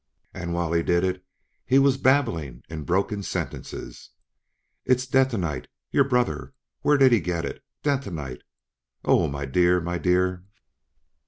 And while he did it he was babbling in broken sentences: "It's detonite! Your brother!... Where did he get it?... Detonite!... Oh, my dear my dear!"